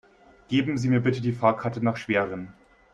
Geben Sie mir bitte die Fahrkarte nach Schwerin